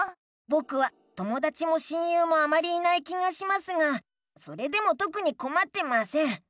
ぼくはともだちも親友もあまりいない気がしますがそれでもとくにこまってません。